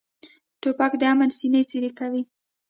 توپک د امن سینه څیرې کوي.